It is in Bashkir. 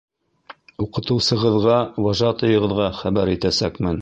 — Уҡытыусығыҙға, вожатыйығыҙға хәбәр итәсәкмен.